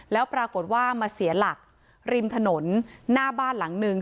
แล้วปรากฏว่ามาเสียหลักริมถนนหน้าบ้านหลังนึง